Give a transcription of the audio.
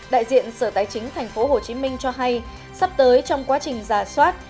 đại diện sở tài chính tp hcm cho hay sắp tới trong quá trình giả soát